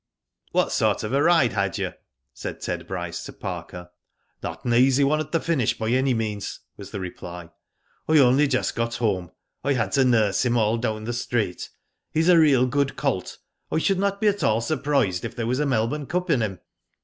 What sort of a ride had you," said Ted Bryce to Parker. T Digitized byGoogk 274 ^^'^^O DID IT? " Not an easy one at the finish by any means/' was the reply. "I only just got home. I had to nurse him all down the straight. He*s a real good colt, I should not be at all surprised if there was a Melbourne Cup in him."